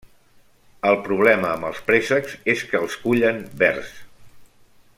El problema amb els préssecs és que els cullen verds.